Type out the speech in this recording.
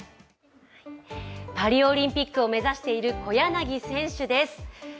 パリオリンピックを目指している小柳選手です。